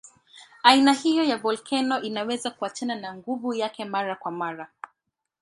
Aina hiyo ya volkeno inaweza kuachana na nguvu yake mara kwa mara.